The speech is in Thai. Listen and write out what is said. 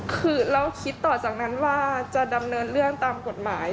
คือเราคิดต่อจากนั้นว่าจะดำเนินเรื่องตามกฎหมาย